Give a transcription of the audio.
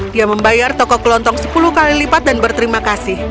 dia membayar toko kelontong sepuluh kali lipat dan berterima kasih